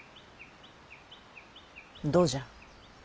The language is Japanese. どうじゃ。